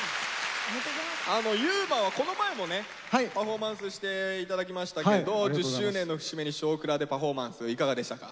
優馬はこの前もねパフォーマンスして頂きましたけど１０周年の節目に「少クラ」でパフォーマンスいかがでしたか？